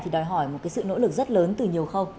thì đòi hỏi một cái sự nỗ lực rất lớn từ nhiều khâu